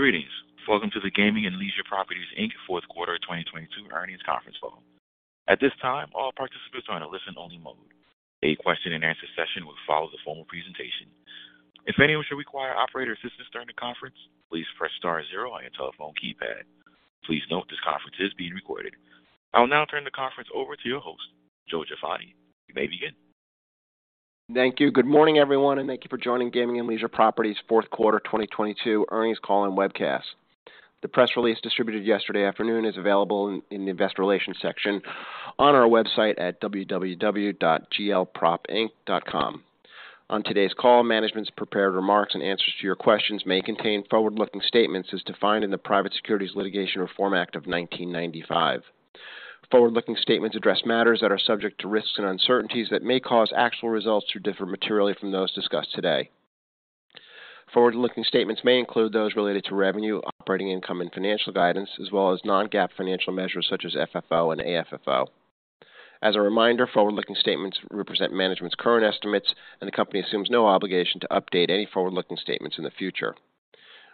Greetings. Welcome to the Gaming and Leisure Properties, Inc fourth quarter 2022 earnings conference call. At this time, all participants are in a listen only mode. A question and answer session will follow the formal presentation. If anyone should require operator assistance during the conference, please press star zero on your telephone keypad. Please note this conference is being recorded. I will now turn the conference over to your host, Joe Jaffoni. You may begin. Thank you. Good morning, everyone, and thank you for joining Gaming and Leisure Properties fourth quarter 2022 earnings call and webcast. The press release distributed yesterday afternoon is available in the investor relations section on our website at www.glpropinc.com. On today's call, management's prepared remarks and answers to your questions may contain forward-looking statements as defined in the Private Securities Litigation Reform Act of 1995. Forward-looking statements address matters that are subject to risks and uncertainties that may cause actual results to differ materially from those discussed today. Forward-looking statements may include those related to revenue, operating income, and financial guidance, as well as non-GAAP financial measures such as FFO and AFFO. As a reminder, forward-looking statements represent management's current estimates, the company assumes no obligation to update any forward-looking statements in the future.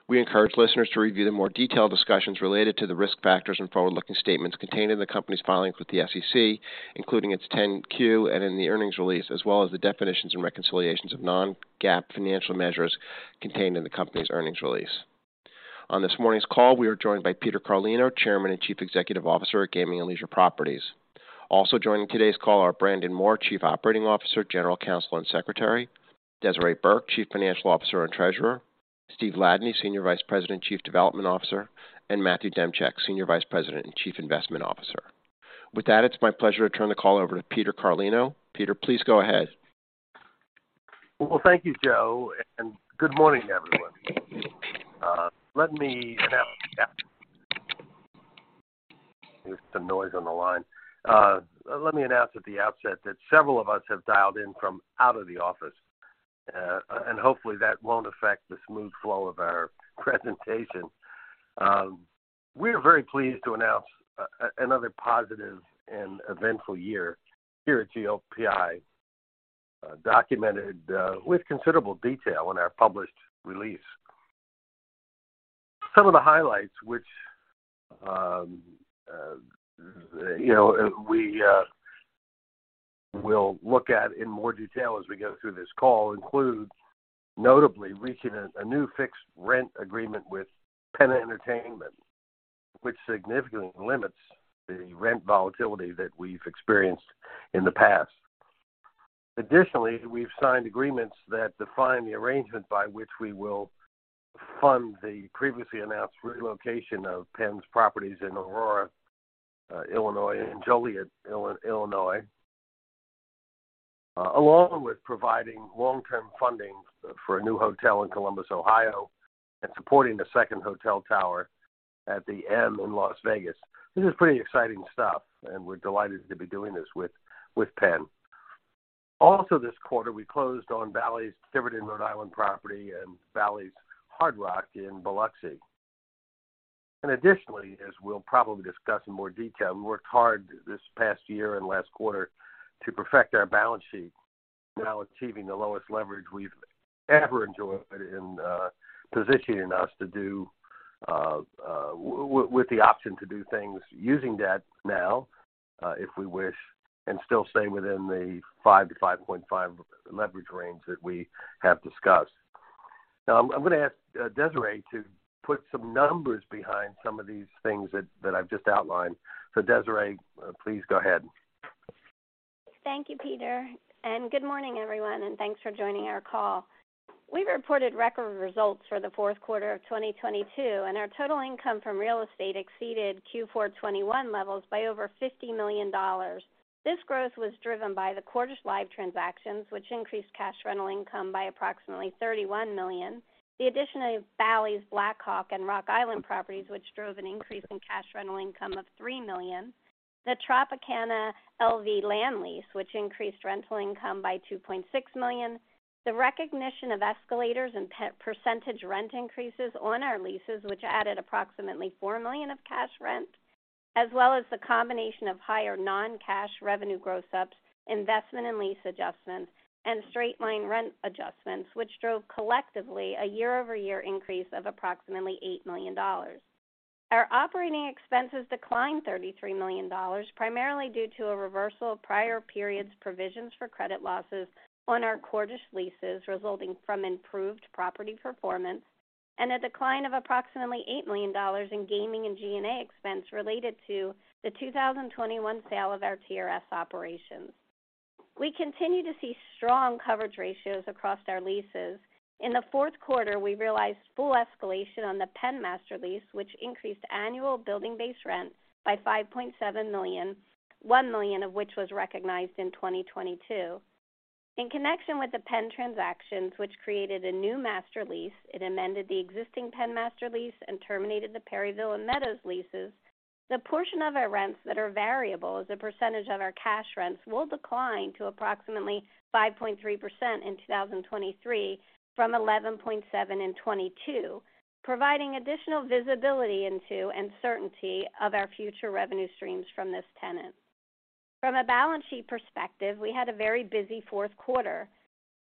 We encourage listeners to review the more detailed discussions related to the risk factors and forward-looking statements contained in the company's filings with the SEC, including its 10-Q and in the earnings release, as well as the definitions and reconciliations of non-GAAP financial measures contained in the company's earnings release. On this morning's call, we are joined by Peter Carlino, Chairman and Chief Executive Officer at Gaming and Leisure Properties. Also joining today's call are Brandon Moore, Chief Operating Officer, General Counsel, and Secretary. Desiree Burke, Chief Financial Officer and Treasurer. Steven Ladany, Senior Vice President and Chief Development Officer, and Matthew Demchyk, Senior Vice President and Chief Investment Officer. With that, it's my pleasure to turn the call over to Peter Carlino. Peter, please go ahead. Well, thank you, Joe, and good morning, everyone. There's some noise on the line. Let me announce at the outset that several of us have dialed in from out of the office, hopefully that won't affect the smooth flow of our presentation. We are very pleased to announce another positive and eventful year here at GLPI, documented with considerable detail in our published release. Some of the highlights which, you know, we will look at in more detail as we go through this call includes notably reaching a new fixed rent agreement with PENN Entertainment, which significantly limits the rent volatility that we've experienced in the past. Additionally, we've signed agreements that define the arrangement by which we will fund the previously announced relocation of PENN's properties in Aurora, Illinois and Joliet, Illinois, along with providing long-term funding for a new hotel in Columbus, Ohio, and supporting a second hotel tower at The M in Las Vegas. This is pretty exciting stuff. We're delighted to be doing this with PENN. This quarter, we closed on Bally's Tiverton Rhode Island property and Bally's Hard Rock in Biloxi. Additionally, as we'll probably discuss in more detail, we worked hard this past year and last quarter to perfect our balance sheet, now achieving the lowest leverage we've ever enjoyed and positioning us to do with the option to do things using that now, if we wish, and still staying within the 5-5.5 leverage range that we have discussed. I'm gonna ask Desiree to put some numbers behind some of these things that I've just outlined. Desiree, please go ahead. Thank you, Peter, and good morning, everyone, and thanks for joining our call. We reported record results for the fourth quarter of 2022, and our total income from real estate exceeded Q4 2021 levels by over $50 million. This growth was driven by the Cordish Live! transactions, which increased cash rental income by approximately $31 million. The addition of Bally's Black Hawk and Rock Island properties, which drove an increase in cash rental income of $3 million. The Tropicana LV land lease, which increased rental income by $2.6 million. The recognition of escalators and percentage rent increases on our leases, which added approximately $4 million of cash rent, as well as the combination of higher non-cash revenue gross ups, investment and lease adjustments, and straight line rent adjustments, which drove collectively a year-over-year increase of approximately $8 million. Our operating expenses declined $33 million, primarily due to a reversal of prior periods provisions for credit losses on our Cordish leases, resulting from improved property performance and a decline of approximately $8 million in gaming and G&A expense related to the 2021 sale of our TRS operations. We continue to see strong coverage ratios across our leases. In the fourth quarter, we realized full escalation on the PENN master lease, which increased annual building base rents by $5.7 million, $1 million of which was recognized in 2022. In connection with the PENN transactions, which created a new master lease, it amended the existing PENN master lease and terminated the Perryville and Meadows leases. The portion of our rents that are variable as a percentage of our cash rents will decline to approximately 5.3% in 2023 from 11.7% in 2022, providing additional visibility into and certainty of our future revenue streams from this tenant. From a balance sheet perspective, we had a very busy fourth quarter.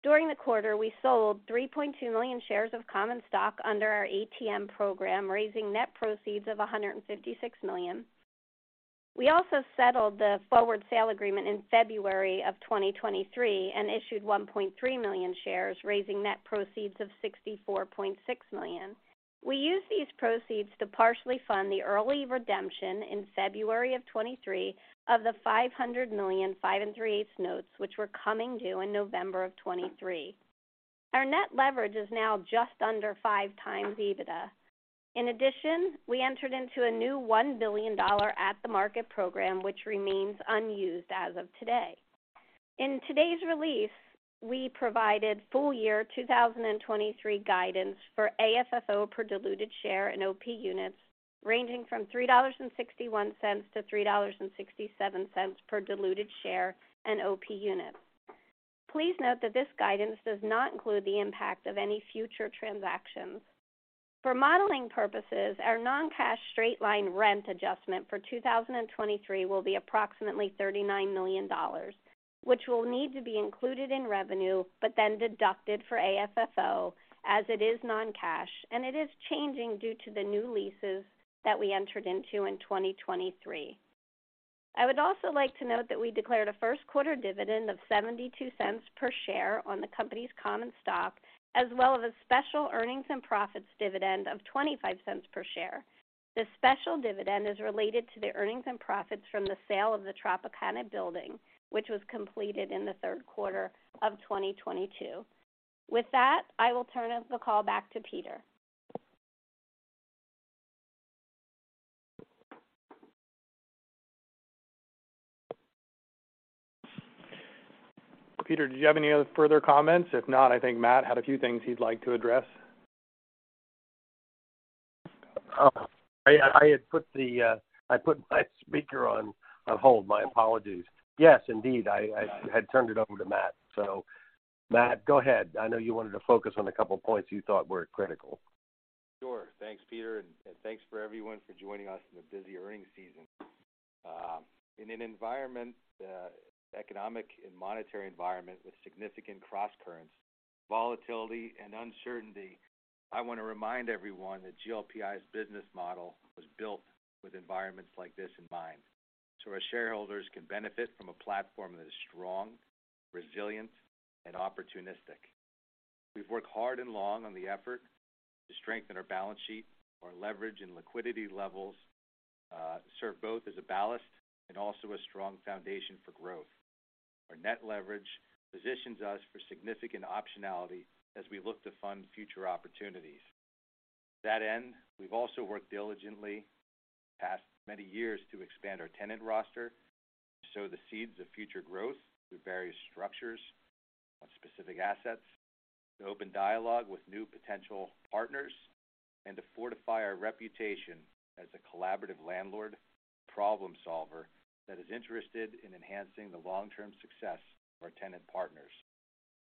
During the quarter, we sold 3.2 million shares of common stock under our ATM program, raising net proceeds of $156 million. We also settled the forward sale agreement in February 2023 and issued 1.3 million shares, raising net proceeds of $64.6 million. We used these proceeds to partially fund the early redemption in February 2023 of the $500 million five and three-eighths notes, which were coming due in November 2023. Our net leverage is now just under 5x EBITDA. In addition, we entered into a new $1 billion at the market program, which remains unused as of today. In today's release, we provided full year 2023 guidance for AFFO per diluted share and OP units ranging from $3.61-$3.67 per diluted share and OP unit. Please note that this guidance does not include the impact of any future transactions. For modeling purposes, our non-cash straight-line rent adjustment for 2023 will be approximately $39 million, which will need to be included in revenue but then deducted for AFFO as it is non-cash, and it is changing due to the new leases that we entered into in 2023. I would also like to note that we declared a first quarter dividend of $0.72 per share on the company's common stock, as well as a special earnings and profits dividend of $0.25 per share. The special dividend is related to the earnings and profits from the sale of the Tropicana building, which was completed in the third quarter of 2022. With that, I will turn the call back to Peter. Peter, did you have any other further comments? If not, I think Matt had a few things he'd like to address. I put my speaker on hold. My apologies. Yes, indeed. I had turned it over to Matt. Matt, go ahead. I know you wanted to focus on a couple of points you thought were critical. Sure. Thanks, Peter, and thanks for everyone for joining us in a busy earnings season. In an economic and monetary environment with significant crosscurrents, volatility, and uncertainty, I want to remind everyone that GLPI's business model was built with environments like this in mind, so our shareholders can benefit from a platform that is strong, resilient, and opportunistic. We've worked hard and long on the effort to strengthen our balance sheet. Our leverage and liquidity levels, serve both as a ballast and also a strong foundation for growth. Our net leverage positions us for significant optionality as we look to fund future opportunities. To that end, we've also worked diligently the past many years to expand our tenant roster, to sow the seeds of future growth through various structures on specific assets, to open dialogue with new potential partners, and to fortify our reputation as a collaborative landlord problem solver that is interested in enhancing the long-term success of our tenant partners.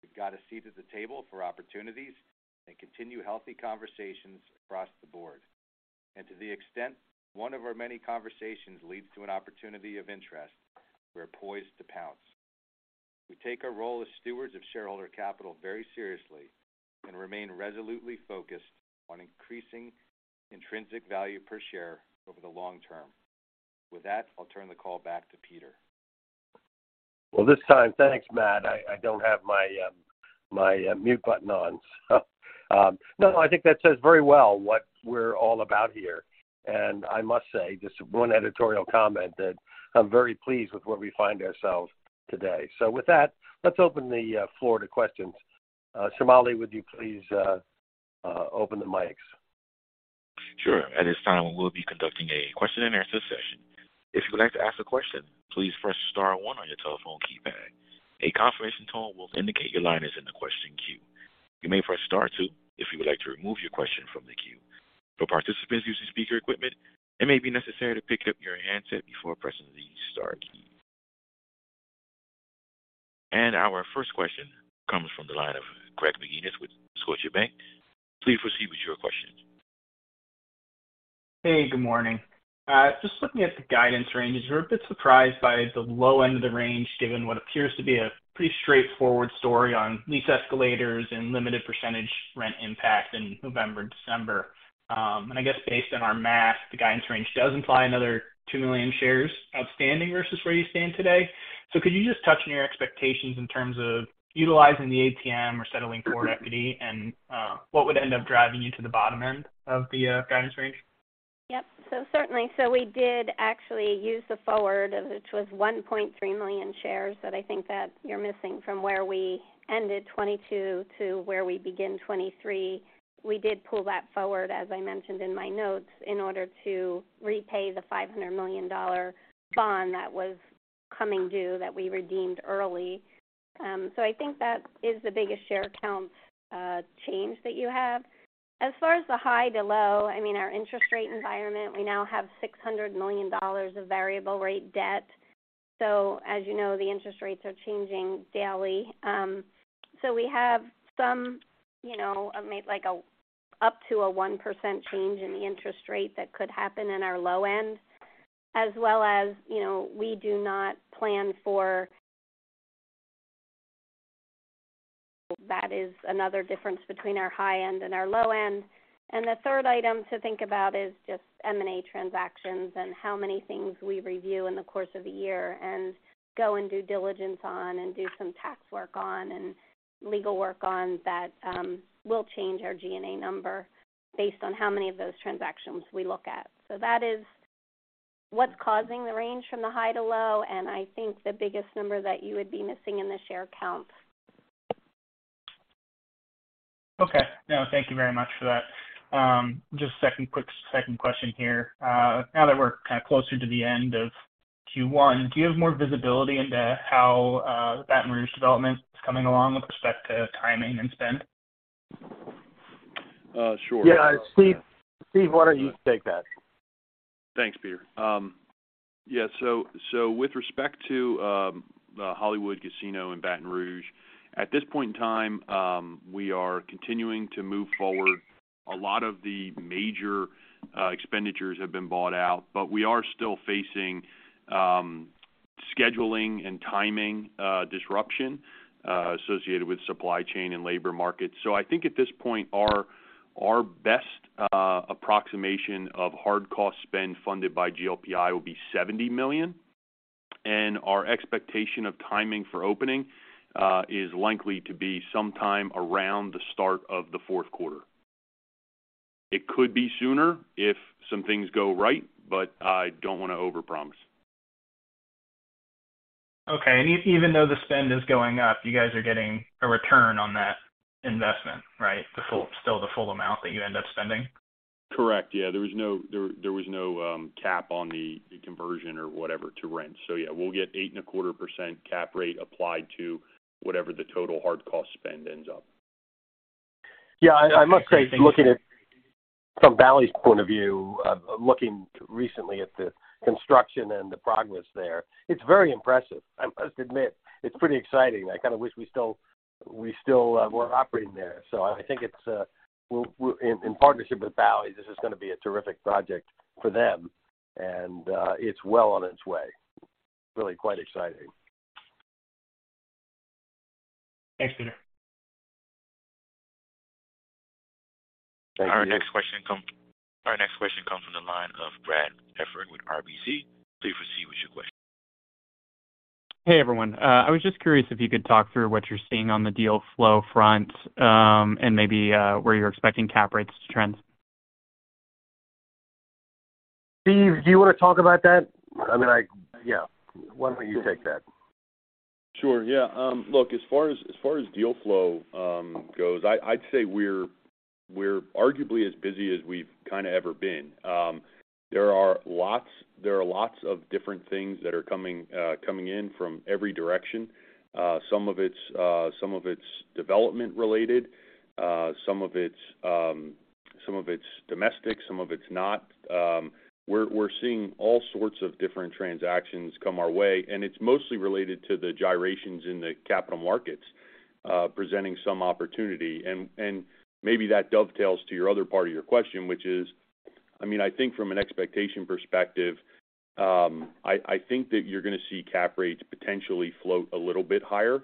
We've got a seat at the table for opportunities and continue healthy conversations across the board. To the extent one of our many conversations leads to an opportunity of interest, we're poised to pounce. We take our role as stewards of shareholder capital very seriously and remain resolutely focused on increasing intrinsic value per share over the long term. With that, I'll turn the call back to Peter. Well, this time. Thanks, Matt. I don't have my mute button on. No, I think that says very well what we're all about here. I must say, just one editorial comment, that I'm very pleased with where we find ourselves today. With that, let's open the floor to questions. Somali, would you please open the mics? Sure. At this time, we'll be conducting a question and answer session. If you would like to ask a question, please press star one on your telephone keypad. A confirmation tone will indicate your line is in the question queue. You may press star two if you would like to remove your question from the queue. For participants using speaker equipment, it may be necessary to pick up your handset before pressing the star key. Our first question comes from the line of Greg McGinniss with Scotiabank. Please proceed with your question. Hey, good morning. Just looking at the guidance ranges, we're a bit surprised by the low end of the range, given what appears to be a pretty straightforward story on lease escalators and limited percentage rent impact in November and December. I guess based on our math, the guidance range does imply another 2 million shares outstanding versus where you stand today. Could you just touch on your expectations in terms of utilizing the ATM or settling for equity and what would end up driving you to the bottom end of the guidance range? Yep. Certainly. We did actually use the forward, which was 1.3 million shares that I think that you're missing from where we ended 2022 to where we begin 2023. We did pull that forward, as I mentioned in my notes, in order to repay the $500 million bond that was coming due that we redeemed early. I think that is the biggest share count change that you have. As far as the high to low, I mean, our interest rate environment, we now have $600 million of variable rate debt. As you know, the interest rates are changing daily. We have some, you know, maybe like up to a 1% change in the interest rate that could happen in our low end. As well as, you know, we do not plan for that is another difference between our high end and our low end. The third item to think about is just M&A transactions and how many things we review in the course of a year and go and do diligence on and do some tax work on and legal work on. That will change our G&A number based on how many of those transactions we look at. That is what's causing the range from the high to low, and I think the biggest number that you would be missing in the share count. Okay. No, thank you very much for that. Just a second question here. Now that we're kinda closer to the end of Q1, do you have more visibility into how Baton Rouge development is coming along with respect to timing and spend? Sure. Yeah. Steve. Steve, why don't you take that? Thanks, Peter. Yeah, with respect to the Hollywood Casino Baton Rouge, at this point in time, we are continuing to move forward. A lot of the major expenditures have been bought out, but we are still facing scheduling and timing disruption associated with supply chain and labor markets. I think at this point, our best approximation of hard cost spend funded by GLPI will be $70 million, and our expectation of timing for opening is likely to be sometime around the start of the fourth quarter. It could be sooner if some things go right, but I don't wanna overpromise. Okay. Even though the spend is going up, you guys are getting a return on that investment, right? Still the full amount that you end up spending? Correct. Yeah, there was no, there was no cap on the conversion or whatever to rent. Yeah, we'll get 8 and a 1/4 % cap rate applied to whatever the total hard cost spend ends up. I must say, looking at, from Bally's point of view, looking recently at the construction and the progress there, it's very impressive. I must admit it's pretty exciting. I kind of wish we still were operating there. I think it's. We're in partnership with Bally, this is going to be a terrific project for them, and it's well on its way. Really quite exciting. Thanks, Peter. Thank you. Our next question comes from the line of Brad Heffern with RBC. Please proceed with your question. Hey, everyone. I was just curious if you could talk through what you're seeing on the deal flow front, and maybe where you're expecting cap rates to trend? Steve, do you wanna talk about that? I mean, Yeah, why don't you take that? Sure, yeah. Look, as far as deal flow goes, I'd say we're arguably as busy as we've kinda ever been. There are lots of different things that are coming in from every direction. Some of it's development related, some of it's domestic, some of it's not. We're seeing all sorts of different transactions come our way, and it's mostly related to the gyrations in the capital markets, presenting some opportunity. Maybe that dovetails to your other part of your question, which is... I mean, I think from an expectation perspective, I think that you're gonna see cap rates potentially float a little bit higher.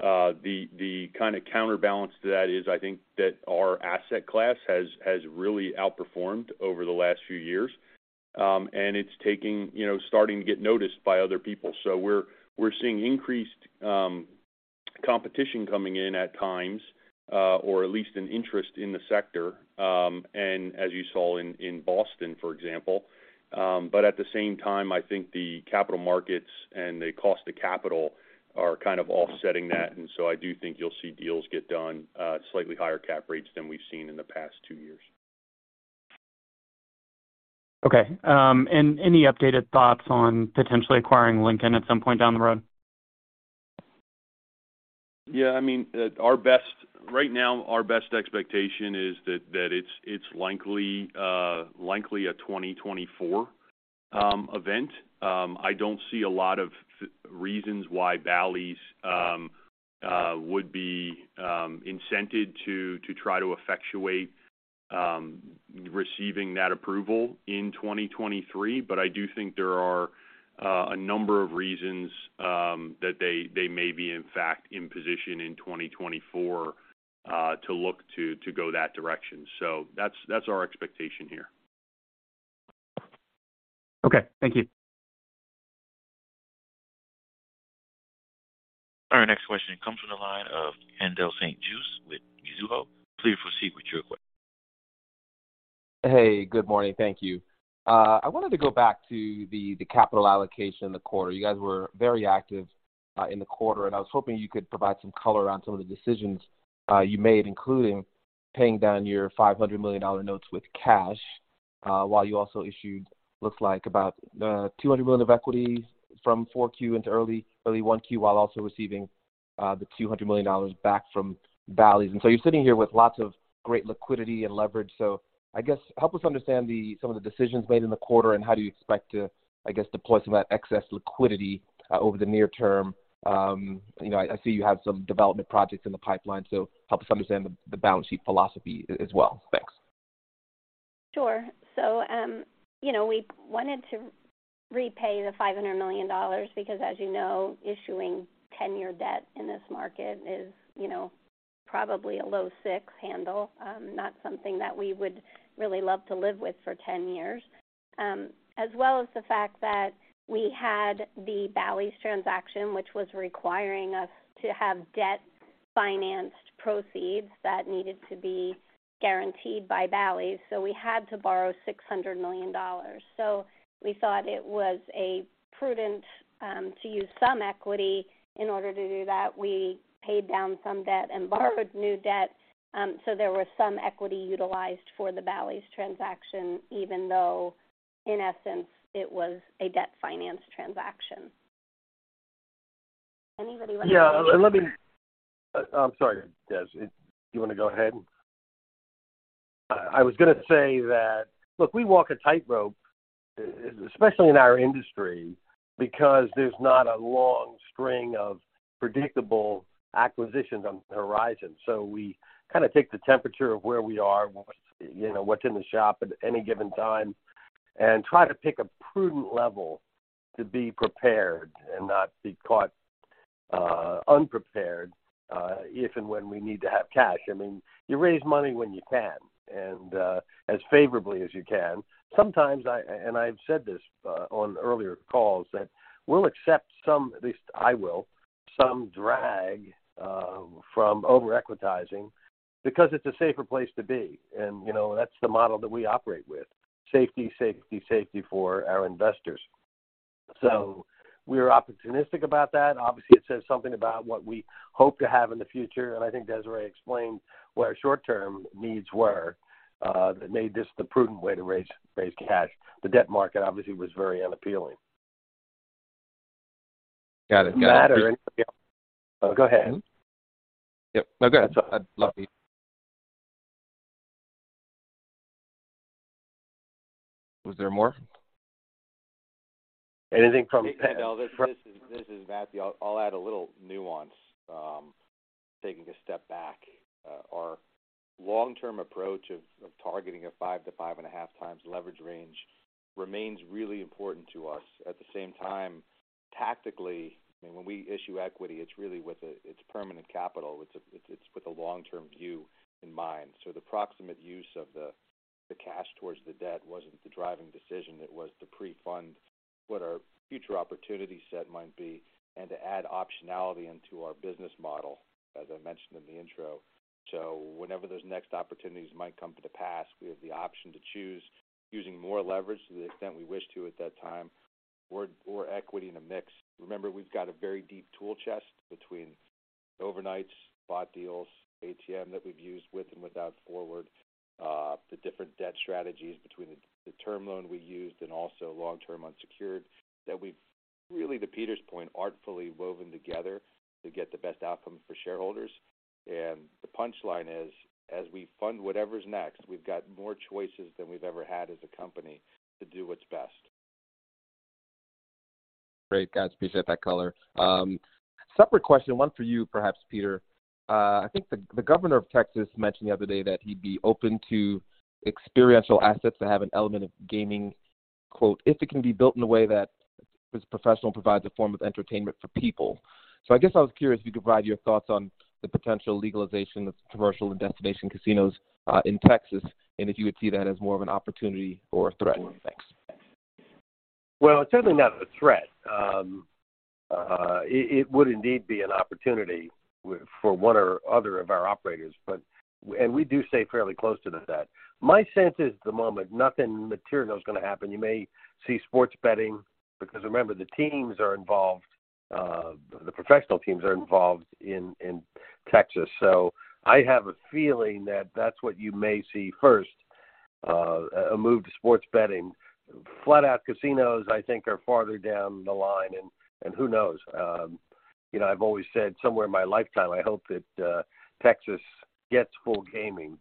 The kind of counterbalance to that is I think that our asset class has really outperformed over the last few years, and it's, you know, starting to get noticed by other people. We're seeing increased competition coming in at times, or at least an interest in the sector, as you saw in Boston, for example. At the same time, I think the capital markets and the cost of capital are kind of offsetting that, I do think you'll see deals get done at slightly higher cap rates than we've seen in the past two years. Okay. Any updated thoughts on potentially acquiring Lincoln at some point down the road? I mean, Right now, our best expectation is that it's likely a 2024 event. I don't see a lot of reasons why Bally's would be incented to try to effectuate receiving that approval in 2023. I do think there are a number of reasons that they may be, in fact, in position in 2024 to look to go that direction. That's our expectation here. Okay, thank you. Our next question comes from the line of Haendel St. Juste with Mizuho. Please proceed with your question. Hey, good morning. Thank you. I wanted to go back to the capital allocation in the quarter. You guys were very active in the quarter, and I was hoping you could provide some color around some of the decisions you made, including paying down your $500 million notes with cash, while you also issued, looks like about $200 million of equity from 4Q into early 1Q, while also receiving the $200 million back from Bally's. You're sitting here with lots of great liquidity and leverage. I guess help us understand some of the decisions made in the quarter and how do you expect to, I guess, deploy some of that excess liquidity over the near term. You know, I see you have some development projects in the pipeline, so help us understand the balance sheet philosophy as well. Thanks. Sure. You know, we wanted to repay the $500 million because as you know, issuing 10-year debt in this market is, you know, probably a low six handle, not something that we would really love to live with for 10 years. As well as the fact that we had the Bally's transaction, which was requiring us to have debt-financed proceeds that needed to be guaranteed by Bally's. We had to borrow $600 million. We thought it was a prudent to use some equity. In order to do that, we paid down some debt and borrowed new debt, so there was some equity utilized for the Bally's transaction, even though in essence, it was a debt finance transaction. Yeah. Let me. I'm sorry, Des. You wanna go ahead? I was gonna say that, look, we walk a tightrope, especially in our industry, because there's not a long string of predictable acquisitions on the horizon. We kinda take the temperature of where we are, what's, you know, what's in the shop at any given time, and try to pick a prudent level to be prepared and not be caught unprepared if and when we need to have cash. I mean, you raise money when you can, and as favorably as you can. Sometimes, I, and I've said this on earlier calls, that we'll accept some, at least I will, some drag from over-equitizing because it's a safer place to be. You know, that's the model that we operate with: safety, safety for our investors. We're opportunistic about that. Obviously, it says something about what we hope to have in the future. I think Desiree explained what our short-term needs were, that made this the prudent way to raise cash. The debt market obviously was very unappealing. Got it. Got it. Matt, or anybody else? Go ahead. Yep. No, go ahead. Sorry. Was there more? Anything from- Hey, Haendel, this is Matthew. I'll add a little nuance, taking a step back. Our long-term approach of targeting a 5x-5.5x leverage range remains really important to us. At the same time, tactically, I mean, when we issue equity, it's permanent capital. It's with a long-term view in mind. The proximate use of the cash towards the debt wasn't the driving decision. It was to pre-fund what our future opportunity set might be and to add optionality into our business model, as I mentioned in the intro. Whenever those next opportunities might come to the pass, we have the option to choose using more leverage to the extent we wish to at that time, or equity in a mix. Remember, we've got a very deep tool chest between overnights, bought deals, ATM that we've used with and without forward, the different debt strategies between the term loan we used and also long-term unsecured that we've, really to Peter's point, artfully woven together to get the best outcome for shareholders. The punchline is, as we fund whatever's next, we've got more choices than we've ever had as a company to do what's best. Great, guys. Appreciate that color. Separate question, one for you, perhaps, Peter. I think the governor of Texas mentioned the other day that he'd be open to experiential assets that have an element of gaming, quote, "If it can be built in a way that is professional and provides a form of entertainment for people." I guess I was curious if you could provide your thoughts on the potential legalization of commercial and destination casinos in Texas, and if you would see that as more of an opportunity or a threat. Thanks. Well, it's certainly not a threat. It would indeed be an opportunity for one or other of our operators. We do stay fairly close to the set. My sense is at the moment, nothing material is gonna happen. You may see sports betting because remember, the teams are involved, the professional teams are involved in Texas. I have a feeling that that's what you may see first, a move to sports betting. Flat out casinos, I think, are farther down the line. Who knows? You know, I've always said somewhere in my lifetime, I hope that Texas gets full gaming.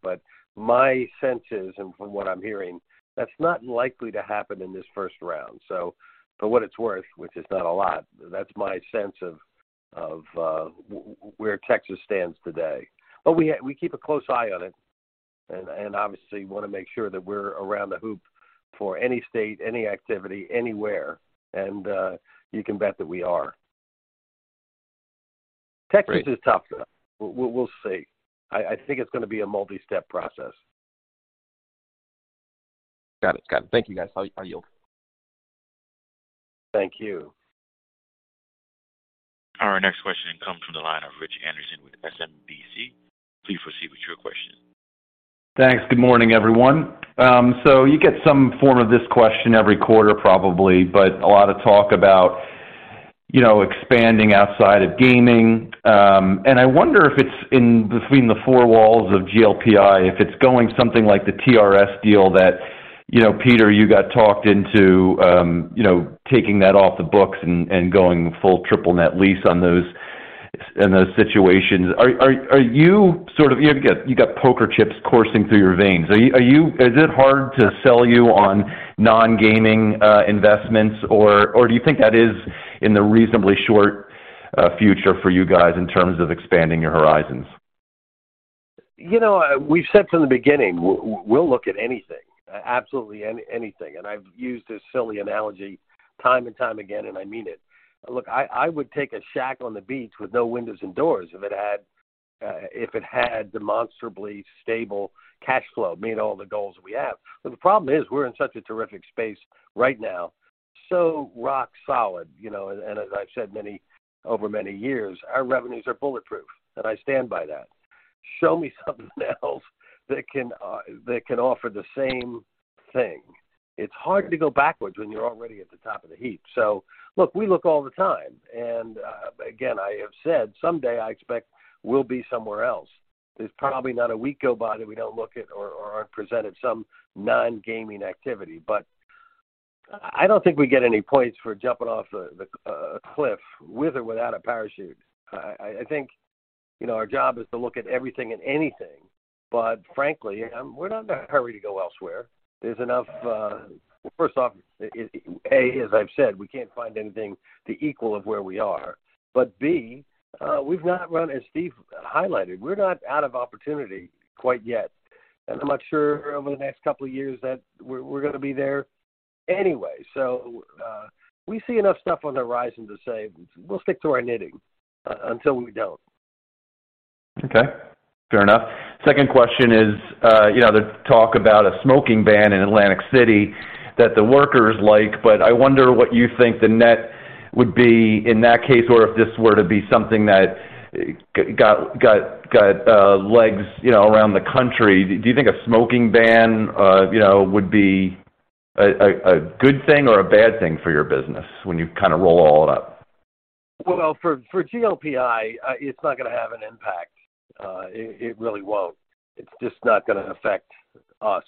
My sense is, and from what I'm hearing, that's not likely to happen in this first round. For what it's worth, which is not a lot, that's my sense of where Texas stands today. We keep a close eye on it and obviously wanna make sure that we're around the hoop for any state, any activity, anywhere. You can bet that we are. Great. Texas is tough, though. We'll see. I think it's gonna be a multi-step process. Got it. Got it. Thank you, guys. I yield. Thank you. Our next question comes from the line of Rich Anderson with SMBC. Please proceed with your question. Thanks. Good morning, everyone. You get some form of this question every quarter, probably, but a lot of talk about, you know, expanding outside of gaming. I wonder if it's in between the four walls of GLPI, if it's going something like the TRS deal that, you know, Peter, you got talked into, you know, taking that off the books and going full triple net lease on those, in those situations. Are you sort of... You've got poker chips coursing through your veins. Are you... Is it hard to sell you on non-gaming investments, or do you think that is in the reasonably short future for you guys in terms of expanding your horizons? You know, we've said from the beginning, we'll look at anything, absolutely anything. I've used this silly analogy time and time again, I mean it. Look, I would take a shack on the beach with no windows and doors if it had demonstrably stable cash flow, meeting all the goals we have. The problem is, we're in such a terrific space right now, so rock solid, you know, and as I've said over many years, our revenues are bulletproof, and I stand by that. Show me something else that can offer the same thing. It's hard to go backwards when you're already at the top of the heap. Look, we look all the time, and again, I have said someday I expect we'll be somewhere else. There's probably not a week go by that we don't look at or aren't presented some non-gaming activity. I don't think we get any points for jumping off a cliff with or without a parachute. I think, you know, our job is to look at everything and anything. Frankly, we're not in a hurry to go elsewhere. Well, first off, A, as I've said, we can't find anything the equal of where we are, B, as Steve highlighted, we're not out of opportunity quite yet, and I'm not sure over the next couple of years that we're gonna be there anyway. We see enough stuff on the horizon to say we'll stick to our knitting until we don't. Okay, fair enough. Second question is, you know, the talk about a smoking ban in Atlantic City that the workers like, but I wonder what you think the net would be in that case, or if this were to be something that got legs, you know, around the country. Do you think a smoking ban, you know, would be a good thing or a bad thing for your business when you kind of roll all it up? Well, for GLPI, it's not gonna have an impact. It really won't. It's just not gonna affect us.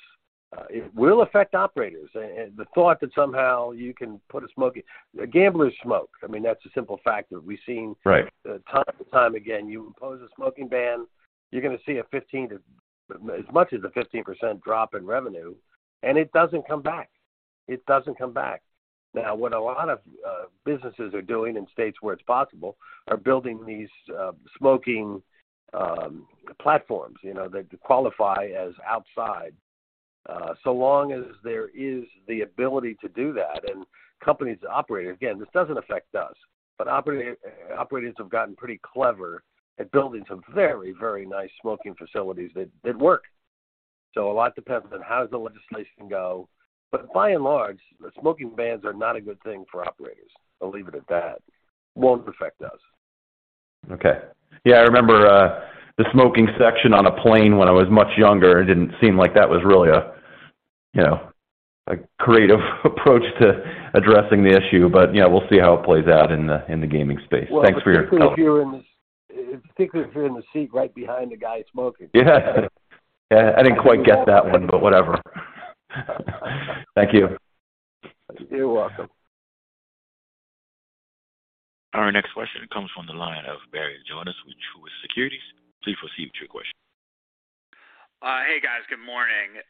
It will affect operators. The thought that somehow you can put a smoking... Gamblers smoke. I mean, that's a simple fact that we've seen- Right time and time again. You impose a smoking ban, you're gonna see a 15% to as much as a 15% drop in revenue, and it doesn't come back. It doesn't come back. What a lot of businesses are doing in states where it's possible are building these smoking platforms, you know, that qualify as outside. So long as there is the ability to do that and companies operate... Again, this doesn't affect us, but operators have gotten pretty clever at building some very, very nice smoking facilities that work. A lot depends on how does the legislation go. By and large, smoking bans are not a good thing for operators. I'll leave it at that. Won't affect us. Okay. Yeah, I remember, the smoking section on a plane when I was much younger. It didn't seem like that was really a, you know, a creative approach to addressing the issue. You know, we'll see how it plays out in the, in the gaming space. Thanks for your help. Well, particularly if you're in the seat right behind the guy smoking. Yeah. Yeah, I didn't quite get that one, but whatever. Thank you. You're welcome. Our next question comes from the line of Barry Jonas with Truist Securities. Please proceed with your question. Hey, guys. Good morning.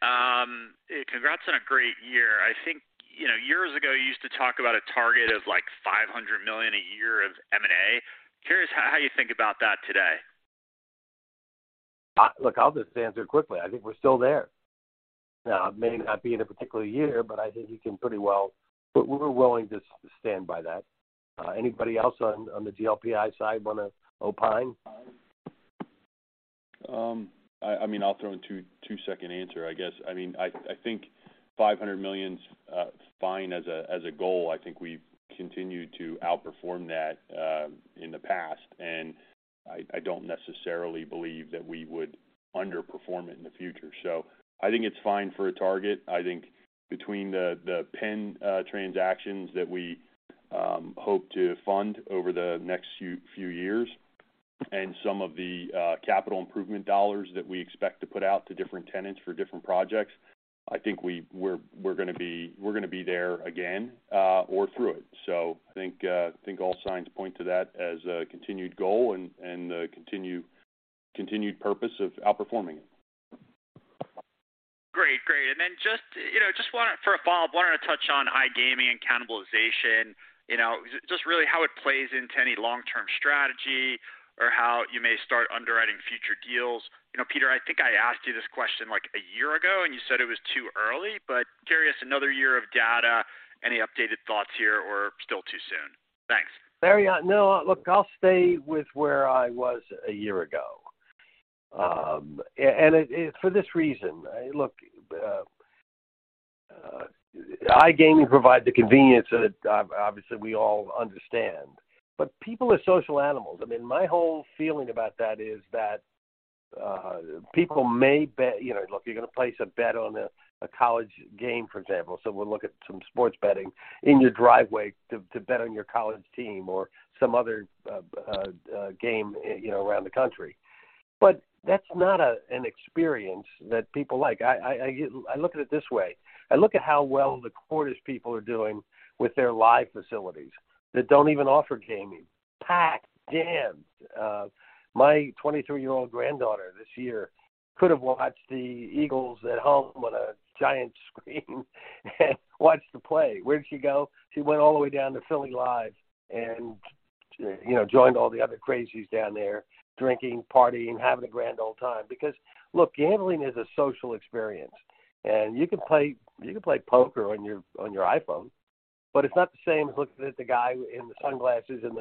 Congrats on a great year. I think, you know, years ago, you used to talk about a target of, like, $500 million a year of M&A. Curious how you think about that today? Look, I'll just answer it quickly. I think we're still there. It may not be in a particular year, but I think you can pretty well. We're willing to stand by that. Anybody else on the GLPI side wanna opine? I mean, I'll throw in a two-second answer, I guess. I mean, I think $500 million's fine as a goal. I think we've continued to outperform that in the past, and I don't necessarily believe that we would underperform it in the future. I think it's fine for a target. I think between the PENN transactions that we hope to fund over the next few years and some of the capital improvement dollars that we expect to put out to different tenants for different projects, I think we're gonna be there again or through it. I think all signs point to that as a continued goal and a continued purpose of outperforming it. Great. Just, you know, just for a follow-up, wanted to touch on iGaming and cannibalization. You know, just really how it plays into any long-term strategy or how you may start underwriting future deals. You know, Peter, I think I asked you this question, like, a year ago, and you said it was too early, but curious, another year of data, any updated thoughts here or still too soon? Thanks. Barry, no. Look, I'll stay with where I was a year ago. For this reason. Look, iGaming provides the convenience that obviously we all understand, but people are social animals. I mean, my whole feeling about that is that people may bet. You know, look, you're gonna place a bet on a college game, for example, so we'll look at some sports betting, in your driveway to bet on your college team or some other game, around the country. That's not an experience that people like. I look at it this way. I look at how well the Cordish people are doing with their live facilities that don't even offer gaming. Packed, jammed. My 23-year-old granddaughter this year could have watched the Eagles at home on a giant screen and watched the play. Where'd she go? She went all the way down to Philly Live and, you know, joined all the other crazies down there, drinking, partying, having a grand old time. Look, gambling is a social experience, and you can play poker on your iPhone, but it's not the same as looking at the guy in the sunglasses and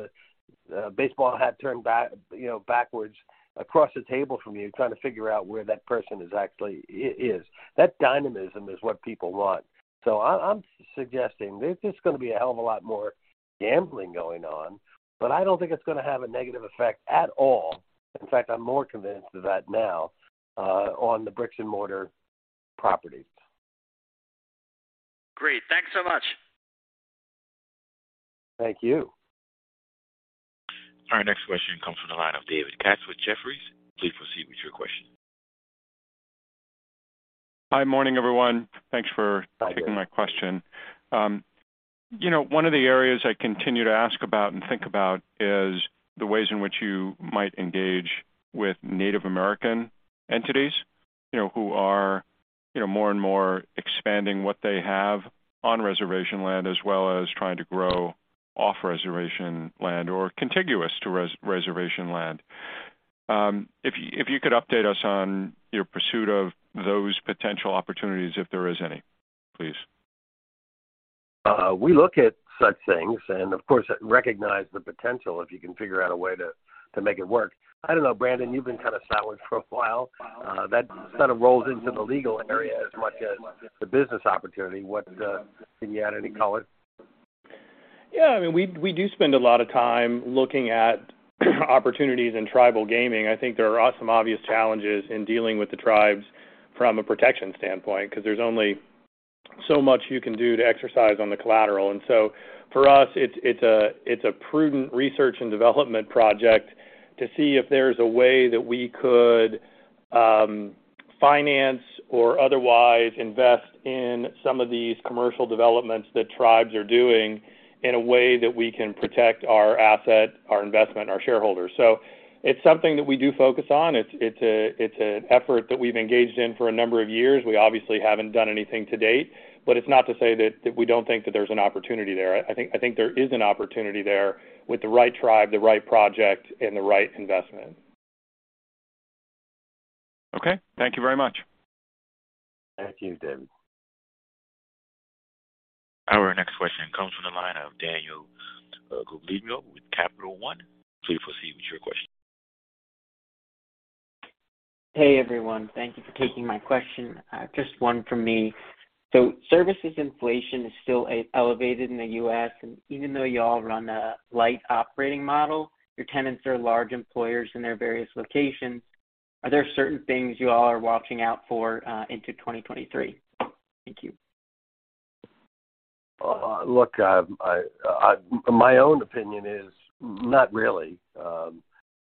the baseball hat turned back, you know, backwards across the table from you trying to figure out where that person is actually is. That dynamism is what people want. I'm suggesting there's just gonna be a hell of a lot more gambling going on, but I don't think it's gonna have a negative effect at all. In fact, I'm more convinced of that now, on the bricks and mortar properties. Great. Thanks so much. Thank you. Our next question comes from the line of David Katz with Jefferies. Please proceed with your question. Hi. Morning, everyone. Thanks for- Hi, David. taking my question. you know, one of the areas I continue to ask about and think about is the ways in which you might engage with Native American entities, you know, who are, you know, more and more expanding what they have on reservation land, as well as trying to grow off reservation land or contiguous to reservation land. if you, if you could update us on your pursuit of those potential opportunities, if there is any, please. We look at such things, of course, recognize the potential if you can figure out a way to make it work. I don't know, Brandon, you've been kind of silent for a while. That sort of rolls into the legal area as much as the business opportunity. What can you add any color? Yeah. I mean, we do spend a lot of time looking at opportunities in tribal gaming. I think there are some obvious challenges in dealing with the tribes from a protection standpoint because there's only so much you can do to exercise on the collateral. For us, it's a prudent research and development project to see if there's a way that we could finance or otherwise invest in some of these commercial developments that tribes are doing in a way that we can protect our asset, our investment, and our shareholders. It's something that we do focus on. It's an effort that we've engaged in for a number of years. We obviously haven't done anything to date, It's not to say that we don't think that there's an opportunity there. I think there is an opportunity there with the right tribe, the right project, and the right investment. Okay. Thank you very much. Thank you, David. Our next question comes from the line of Daniel Guglielmo with Capital One. Please proceed with your question. Hey, everyone. Thank you for taking my question. Just one from me. Services inflation is still elevated in the U.S., and even though y'all run a light operating model, your tenants are large employers in their various locations. Are there certain things you all are watching out for, into 2023? Thank you. Look, my own opinion is not really.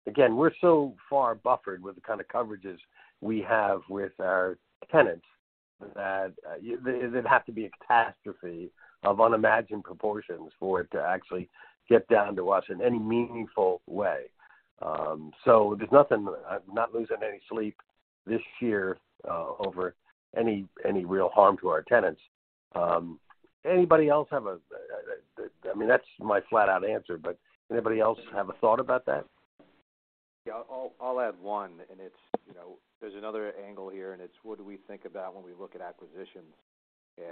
Again, we're so far buffered with the kind of coverages we have with our tenants that, it'd have to be a catastrophe of unimagined proportions for it to actually get down to us in any meaningful way. There's nothing. I'm not losing any sleep this year, over any real harm to our tenants. Anybody else have a? I mean, that's my flat out answer, but anybody else have a thought about that? Yeah. I'll add one, and it's, you know, there's another angle here, and it's what do we think about when we look at acquisitions. You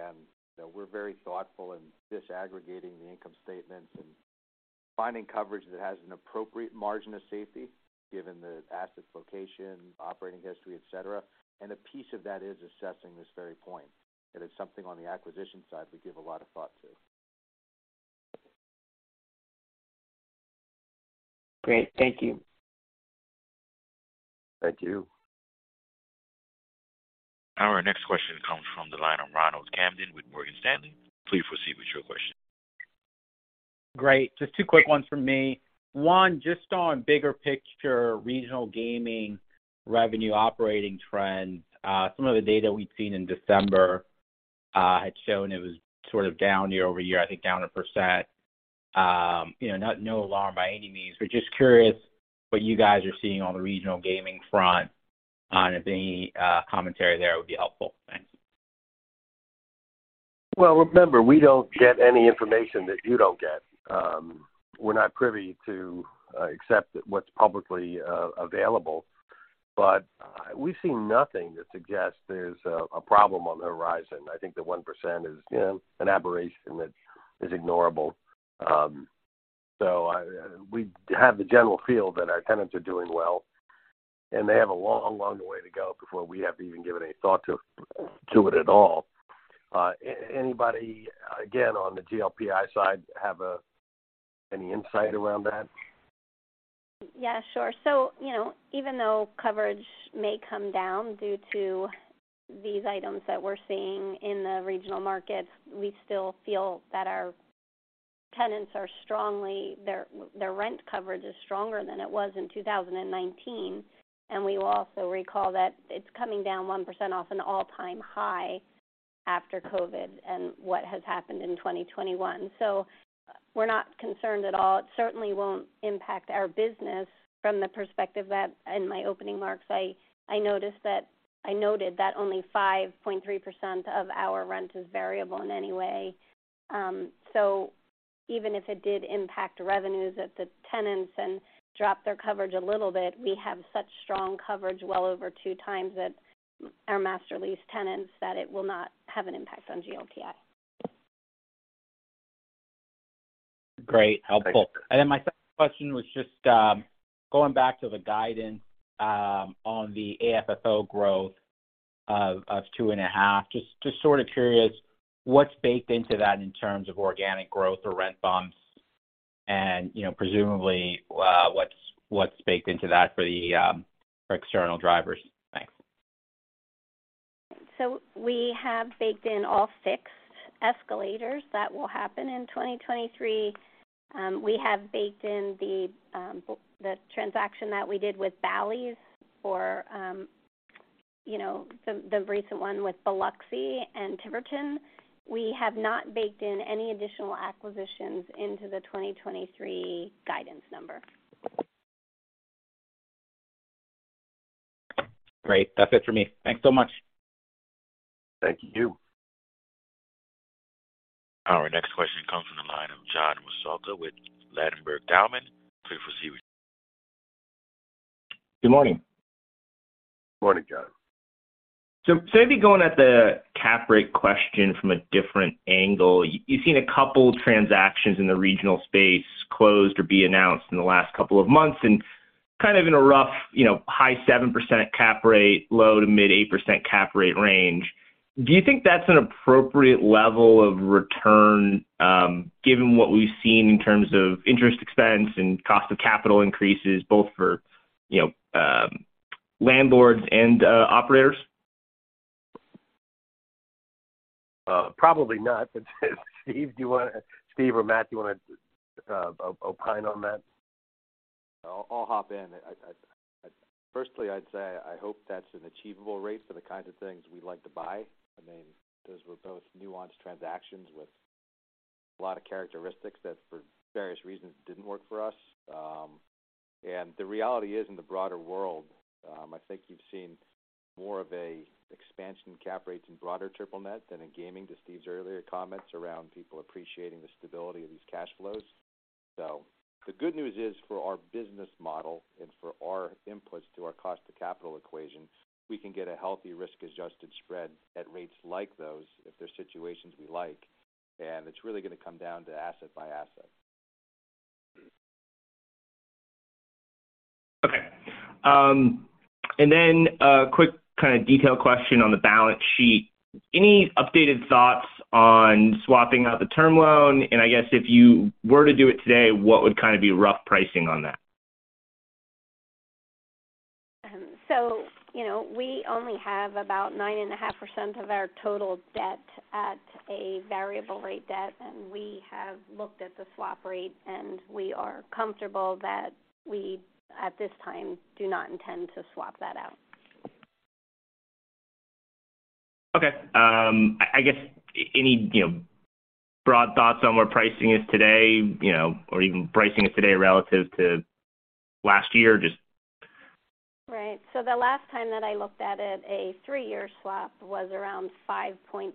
know, we're very thoughtful in disaggregating the income statements and finding coverage that has an appropriate margin of safety given the asset location, operating history, et cetera. A piece of that is assessing this very point. It is something on the acquisition side we give a lot of thought to. Great. Thank you. Thank you. Our next question comes from the line of Ronald Kamdem with Morgan Stanley. Please proceed with your question. Great. Just two quick ones from me. One, just on bigger picture regional gaming revenue operating trends. Some of the data we'd seen in December had shown it was sort of down year-over-year, I think down 1%. You know, no alarm by any means. We're just curious what you guys are seeing on the regional gaming front. If any commentary there would be helpful. Thanks. Well, remember, we don't get any information that you don't get. We're not privy to, except what's publicly available. We've seen nothing to suggest there's a problem on the horizon. I think the 1% is, you know, an aberration that is ignorable. We have the general feel that our tenants are doing well, and they have a long, long way to go before we have to even give any thought to it at all. Anybody, again, on the GLPI side, have any insight around that? Yeah, sure. You know, even though coverage may come down due to these items that we're seeing in the regional markets, we still feel that our tenants are their rent coverage is stronger than it was in 2019. We will also recall that it's coming down 1% off an all-time high after COVID and what has happened in 2021. We're not concerned at all. It certainly won't impact our business from the perspective that in my opening remarks, I noted that only 5.3% of our rent is variable in any way. Even if it did impact revenues at the tenants and drop their coverage a little bit, we have such strong coverage, well over 2x that our master lease tenants, that it will not have an impact on GLPI. Great. Helpful. My second question was just, going back to the guidance, on the AFFO growth of 2.5%. Just sort of curious what's baked into that in terms of organic growth or rent bumps and, you know, presumably, what's baked into that for the, for external drivers? Thanks. We have baked in all six escalators that will happen in 2023. We have baked in the transaction that we did with Bally's for, you know, the recent one with Biloxi and Tiverton. We have not baked in any additional acquisitions into the 2023 guidance number. Great. That's it for me. Thanks so much. Thank you. Our next question comes from the line of John Massocca with Ladenburg Thalmann. Please proceed with. Good morning. Good morning, John. Simply going at the cap rate question from a different angle, you've seen a couple transactions in the regional space closed or be announced in the last couple of months and kind of in a rough, you know, high 7% cap rate, low to mid 8% cap rate range. Do you think that's an appropriate level of return, given what we've seen in terms of interest expense and cost of capital increases both for, you know, landlords and operators? Probably not. Steve or Matt, do you wanna opine on that? I'll hop in. I, firstly, I'd say I hope that's an achievable rate for the kinds of things we like to buy. I mean, those were both nuanced transactions with a lot of characteristics that for various reasons didn't work for us. The reality is, in the broader world, I think you've seen more of a expansion in cap rates in broader triple net than in gaming, to Steve's earlier comments, around people appreciating the stability of these cash flows. The good news is for our business model and for our inputs to our cost to capital equation, we can get a healthy risk-adjusted spread at rates like those if they're situations we like. It's really gonna come down to asset by asset. Okay. Then a quick kind of detailed question on the balance sheet. Any updated thoughts on swapping out the term loan? I guess if you were to do it today, what would kind of be rough pricing on that? you know, we only have about 9.5% of our total debt at a variable rate debt. We have looked at the swap rate, and we are comfortable that we, at this time, do not intend to swap that out. Okay. I guess any, you know, broad thoughts on where pricing is today, you know, or even pricing is today relative to last year, just... Right. The last time that I looked at it, a three-year swap was around 5.2%.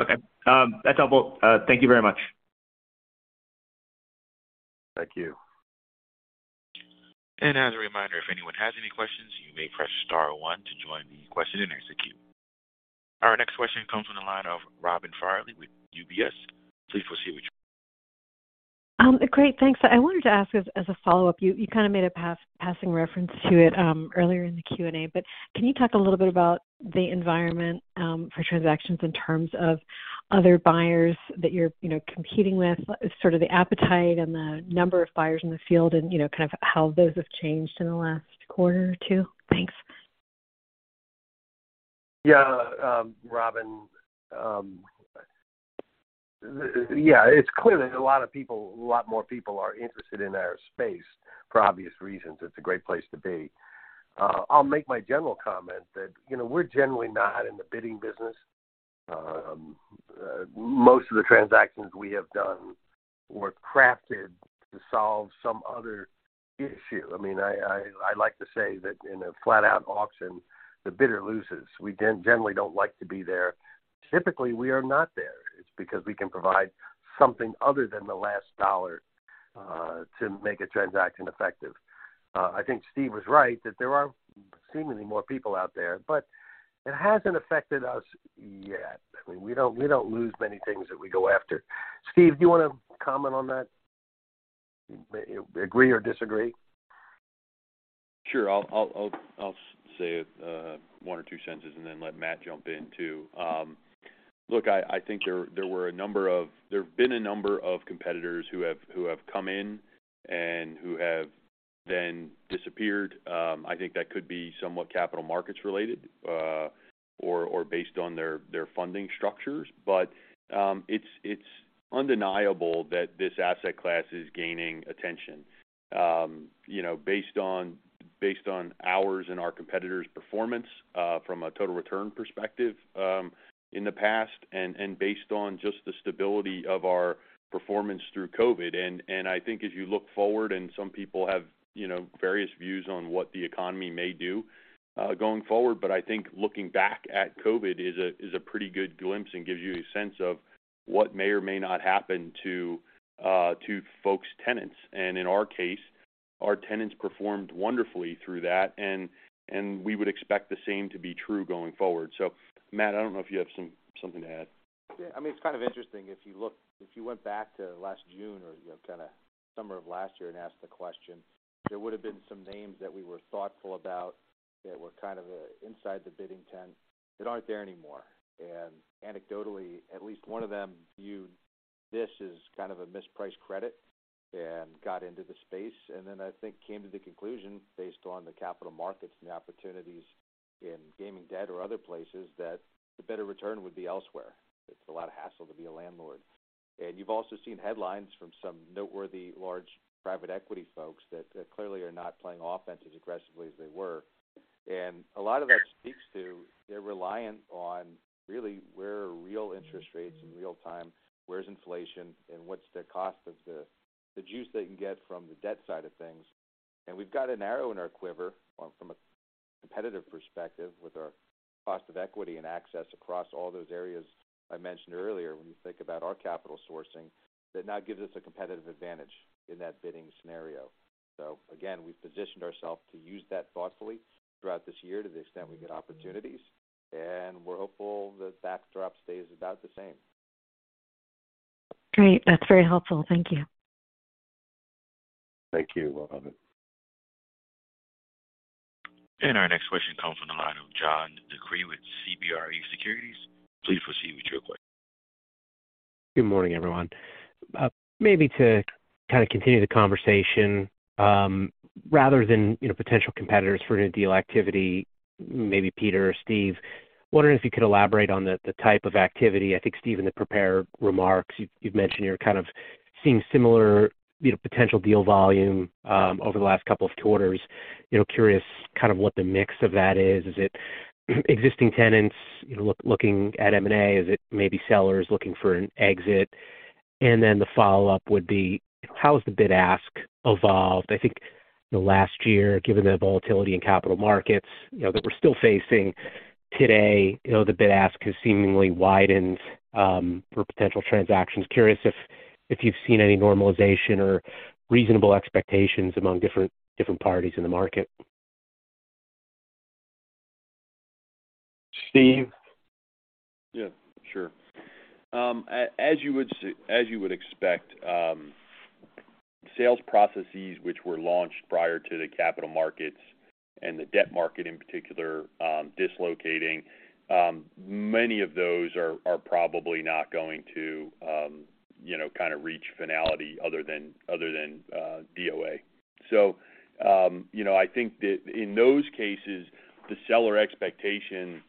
Okay. That's helpful. Thank you very much. Thank you. As a reminder, if anyone has any questions, you may press star one to join the question and answer queue. Our next question comes from the line of Robin Farley with UBS. Please proceed. Great. Thanks. I wanted to ask as a follow-up. You kinda made a passing reference to it, earlier in the Q&A, but can you talk a little bit about the environment, for transactions in terms of other buyers that you're, you know, competing with, sort of the appetite and the number of buyers in the field and, you know, kind of how those have changed in the last quarter or two? Thanks. Robin, it's clear that a lot of people, a lot more people are interested in our space, for obvious reasons. It's a great place to be. I'll make my general comment that, you know, we're generally not in the bidding business. Most of the transactions we have done were crafted to solve some other issue. I mean, I like to say that in a flat out auction, the bidder loses. We generally don't like to be there. Typically, we are not there. It's because we can provide something other than the last dollar to make a transaction effective. I think Steve was right that there are seemingly more people out there, but it hasn't affected us yet. I mean, we don't lose many things that we go after. Steve, do you wanna comment on that? Agree or disagree? Sure. I'll say one or two sentences and then let Matt jump in too. Look, I think There's been a number of competitors who have come in and who have then disappeared. I think that could be somewhat capital markets related or based on their funding structures. It's undeniable that this asset class is gaining attention. you know, based on Based on ours and our competitors' performance, from a total return perspective, in the past, based on just the stability of our performance through COVID. I think as you look forward, and some people have, you know, various views on what the economy may do, going forward, but I think looking back at COVID is a pretty good glimpse and gives you a sense of what may or may not happen to folks' tenants. In our case, our tenants performed wonderfully through that. We would expect the same to be true going forward. Matt, I don't know if you have something to add. Yeah. I mean, it's kind of interesting if you went back to last June or, you know, kinda summer of last year and asked the question, there would have been some names that we were thoughtful about that were kind of inside the bidding tent that aren't there anymore. Anecdotally, at least one of them viewed this as kind of a mispriced credit and got into the space, and then I think came to the conclusion based on the capital markets and the opportunities in gaming debt or other places that the better return would be elsewhere. It's a lot of hassle to be a landlord. You've also seen headlines from some noteworthy large private equity folks that clearly are not playing offense as aggressively as they were. A lot of that speaks to they're reliant on really where are real interest rates in real time, where's inflation, and what's the cost of the juice they can get from the debt side of things. We've got an arrow in our quiver from a competitive perspective with our cost of equity and access across all those areas I mentioned earlier when you think about our capital sourcing. That now gives us a competitive advantage in that bidding scenario. Again, we've positioned ourself to use that thoughtfully throughout this year to the extent we get opportunities, and we're hopeful the backdrop stays about the same. Great. That's very helpful. Thank you. Thank you. Well, love it. Our next question comes from the line of John DeCree with CBRE Securities. Please proceed with your question. Good morning, everyone. Maybe to kind of continue the conversation, rather than, you know, potential competitors for new deal activity, maybe Peter or Steve, wondering if you could elaborate on the type of activity. I think Steve, in the prepared remarks, you've mentioned you're kind of seeing similar, you know, potential deal volume over the last couple of quarters. You know, curious kind of what the mix of that is. Is it existing tenants, you know, looking at M&A? Is it maybe sellers looking for an exit? The follow-up would be, how has the bid-ask evolved? I think the last year, given the volatility in capital markets, you know, that we're still facing today, you know, the bid-ask has seemingly widened for potential transactions. Curious if you've seen any normalization or reasonable expectations among different parties in the market. Steve? Yeah, sure. As you would expect, sales processes which were launched prior to the capital markets and the debt market in particular, dislocating, many of those are probably not going to, you know, kind of reach finality other than DOA. You know, I think that in those cases, the seller expectation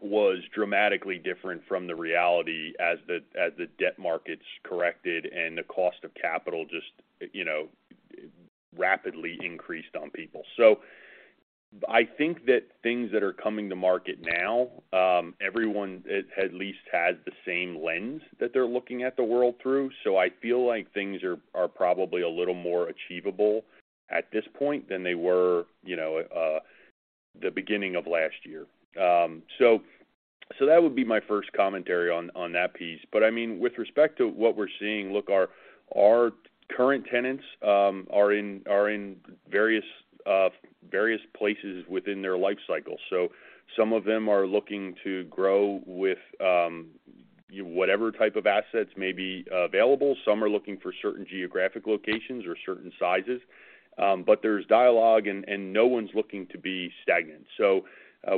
was dramatically different from the reality as the debt markets corrected and the cost of capital just, you know, rapidly increased on people. I think that things that are coming to market now, everyone at least has the same lens that they're looking at the world through. I feel like things are probably a little more achievable at this point than they were, you know, the beginning of last year. That would be my first commentary on that piece. I mean, with respect to what we're seeing, look, our current tenants are in various places within their life cycle. Some of them are looking to grow with whatever type of assets may be available. Some are looking for certain geographic locations or certain sizes. There's dialogue and no one's looking to be stagnant.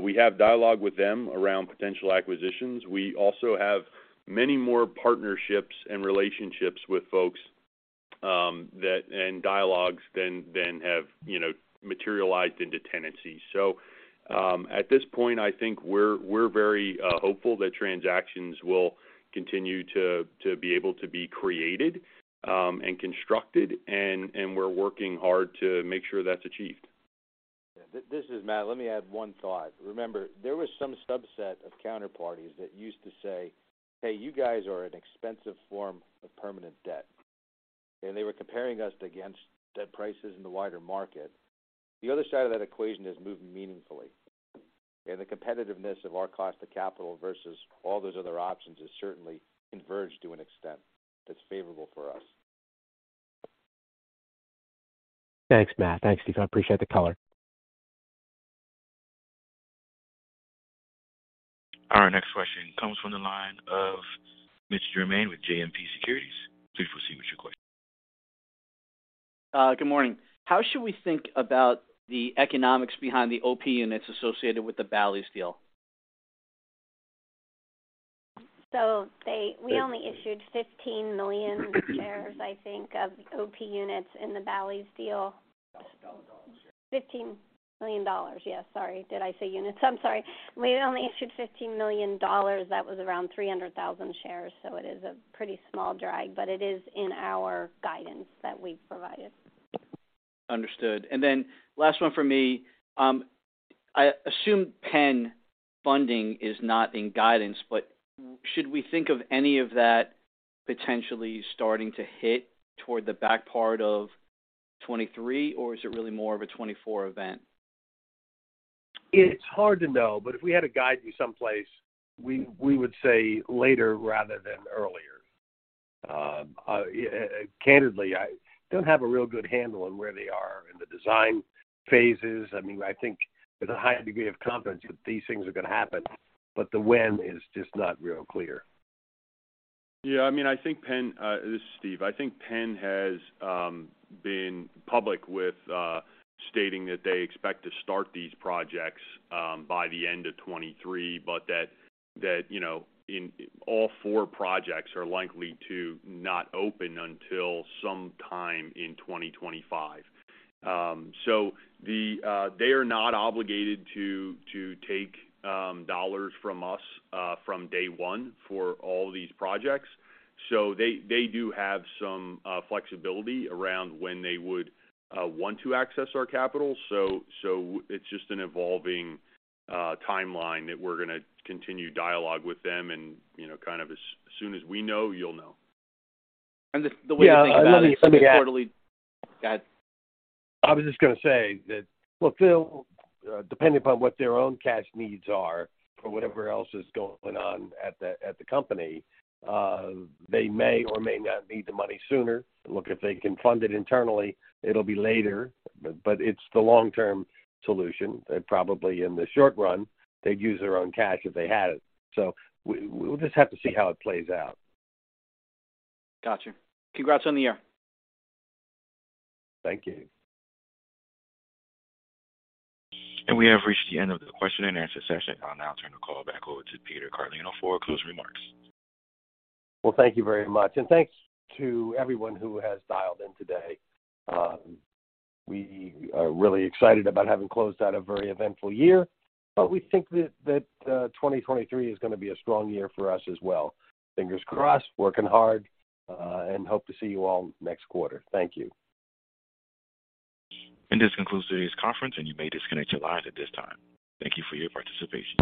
We have dialogue with them around potential acquisitions. We also have many more partnerships and relationships with folks that and dialogues than have, you know, materialized into tenancy. At this point, I think we're very hopeful that transactions will continue to be able to be created and constructed, and we're working hard to make sure that's achieved. Yeah. This is Matt. Let me add one thought. Remember, there was some subset of counterparties that used to say, "Hey, you guys are an expensive form of permanent debt." They were comparing us against the prices in the wider market. The other side of that equation has moved meaningfully. The competitiveness of our cost of capital versus all those other options is certainly converged to an extent that's favorable for us. Thanks, Matt. Thanks, Steve. I appreciate the color. Our next question comes from the line of Mitch Germain with JMP Securities. Please proceed with your question. Good morning. How should we think about the economics behind the OP units associated with the Bally's deal? We only issued 15 million shares, I think, of OP units in the Bally's deal. $15 million. Yes, sorry. Did I say units? I'm sorry. We only issued $15 million. That was around 300,000 shares. It is a pretty small drag, but it is in our guidance that we've provided. Understood. Last one for me. I assume PENN funding is not in guidance, but should we think of any of that potentially starting to hit toward the back part of 2023? Or is it really more of a 2024 event? It's hard to know, but if we had to guide you someplace, we would say later rather than earlier. Candidly, I don't have a real good handle on where they are in the design phases. I mean, I think there's a high degree of confidence that these things are gonna happen, but the when is just not real clear. Yeah. I mean, I think PENN, this is Steve. I think PENN has been public with stating that they expect to start these projects by the end of 2023, but that, you know, all four projects are likely to not open until some time in 2025. They are not obligated to take dollars from us from day one for all these projects. They do have some flexibility around when they would want to access our capital. It's just an evolving timeline that we're gonna continue dialogue with them and, you know, kind of as soon as we know, you'll know. The way to think about it. Yeah. Let me. quarterly, add. I was just gonna say that, look, Mitch, depending upon what their own cash needs are or whatever else is going on at the company, they may or may not need the money sooner. Look, if they can fund it internally, it'll be later, but it's the long-term solution. Probably in the short run, they'd use their own cash if they had it. We'll just have to see how it plays out. Gotcha. Congrats on the year. Thank you. We have reached the end of the question and answer session. I'll now turn the call back over to Peter Carlino for closing remarks. Well, thank you very much, and thanks to everyone who has dialed in today. We are really excited about having closed out a very eventful year, but we think that 2023 is gonna be a strong year for us as well. Fingers crossed, working hard, and hope to see you all next quarter. Thank you. This concludes today's conference, and you may disconnect your lines at this time. Thank you for your participation.